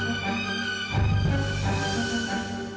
ini akan ber caut